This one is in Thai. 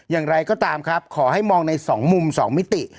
อย่างไรก็ตามครับขอให้มองใน๒มุม๒มิติ